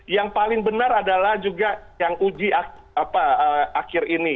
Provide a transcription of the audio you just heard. yang paling benar adalah juga yang uji akhir ini